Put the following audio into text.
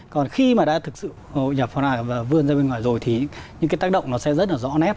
còn khi mà đã thực sự hội nhập hoặc là vươn ra bên ngoài rồi thì những cái tác động nó sẽ rất là rõ nét